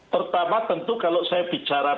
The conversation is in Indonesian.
pertama tentu kalau saya bicara